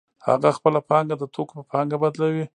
هغه خپله پانګه د توکو په پانګه بدلوي